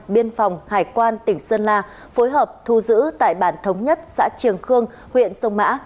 biên phòng hải quan tỉnh sơn la phối hợp thu giữ tại bản thống nhất xã triềng khương huyện sông mã